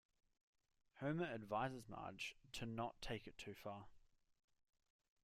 Homer advises Marge to not take it too far.